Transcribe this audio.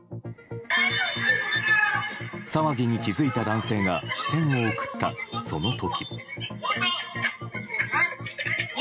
騒ぎに気付いた男性が視線を送った、その時。